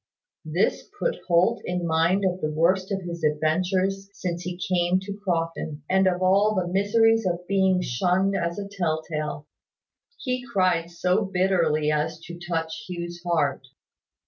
This put Holt in mind of the worst of his adventures since he came to Crofton, and of all the miseries of being shunned as a tell tale. He cried so bitterly as to touch Hugh's heart.